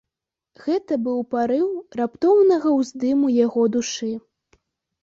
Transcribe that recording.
Гэта быў парыў раптоўнага ўздыму яго душы.